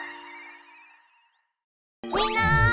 みんな！